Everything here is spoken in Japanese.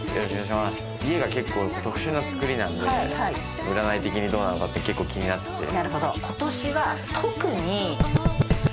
家が結構特殊な造りなんで占い的にどうなのかって結構気になってて。